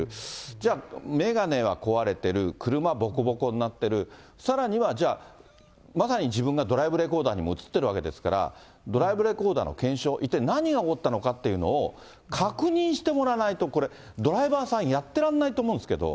じゃあ、眼鏡は壊れてる、車はぼこぼこになってる、さらにはじゃあ、まさに自分がドライブレコーダーにも写ってるわけですから、ドライブレコーダーの検証、一体何が起こったのかっていうのを、確認してもらわないと、これ、ドライバーさん、やってらんないと思うんですけど。